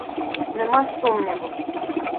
Нема сумніву.